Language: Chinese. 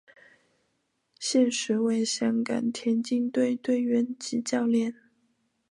现时为香港田径队队员及教练。